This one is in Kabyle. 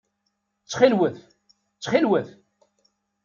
Ttxil-wet! Ttxil-wet!